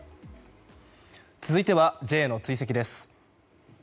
続いてはＪの追跡です。